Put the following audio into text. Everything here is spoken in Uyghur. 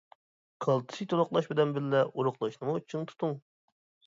كالتسىي تولۇقلاش بىلەن بىللە، ئورۇقلاشنىمۇ چىڭ تۇتۇڭ.